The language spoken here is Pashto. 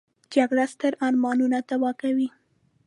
جګړه ستر ارمانونه تباه کوي